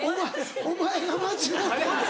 お前が間違うてる！